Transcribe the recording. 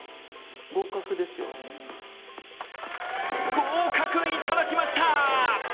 合格いただきました！